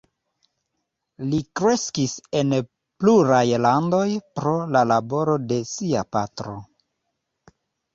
Li kreskis en pluraj landoj, pro la laboro de sia patro.